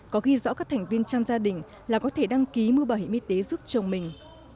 có ghi rõ các thành viên trong gia đình là có thể đăng ký mua bảo hiểm y tế giúp chồng mình